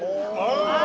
ああ。